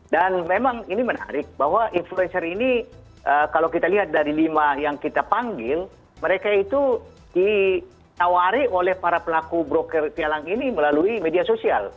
dan memang ini menarik bahwa influencer ini kalau kita lihat dari lima yang kita panggil mereka itu ditawari oleh para pelaku broker tialang ini melalui media sosial